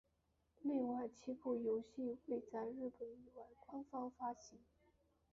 另外七部游戏未在日本以外官方发行。